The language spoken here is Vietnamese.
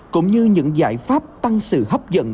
cũng như những giải pháp tăng sự hấp dẫn